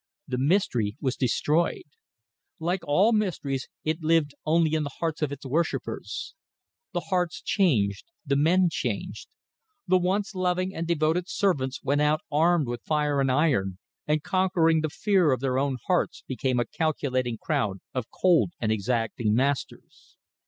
The mystery was destroyed. Like all mysteries, it lived only in the hearts of its worshippers. The hearts changed; the men changed. The once loving and devoted servants went out armed with fire and iron, and conquering the fear of their own hearts became a calculating crowd of cold and exacting masters.